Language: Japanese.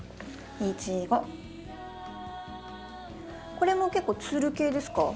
これも結構つる系ですか？